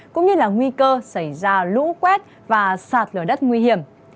cũng như là nguy cơ xảy ra lũ quét và sạt lửa đất nguy hiểm